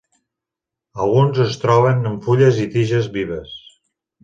Alguns es troben en fulles i tiges vives.